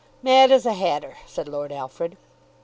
"Mad as a hatter," said Lord Alfred.